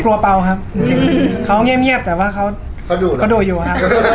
กลัวเปล่าครับเขาเงียบแต่ว่าเขาดูอยู่ครับ